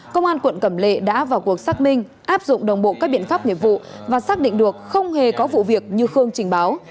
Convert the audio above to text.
công an quận cẩm lệ đã vào cuộc xác minh áp dụng đồng bộ các biện pháp nghiệp vụ và xác định được không hề có vụ việc như khương trình báo